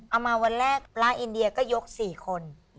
เอามาวันแรกปลาอินเดียก็ยก๔คน